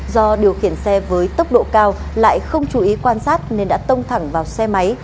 do điều khiển xe với tốc độ cao lại không chú ý quan sát nên đã tông thẳng vào xe máy